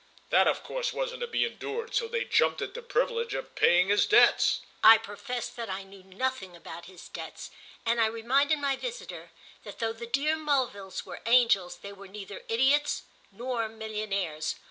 "That of course wasn't to be endured, so they jumped at the privilege of paying his debts!" I professed that I knew nothing about his debts, and I reminded my visitor that though the dear Mulvilles were angels they were neither idiots nor millionaires.